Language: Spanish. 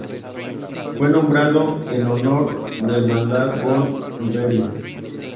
Fue nombrado en honor de Hermann von Ihering.